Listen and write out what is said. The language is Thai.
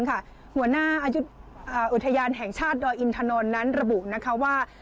หัวหน้าอายุอุทยานแห่งชาติดอยอินทนนท์นั้นระบุว่า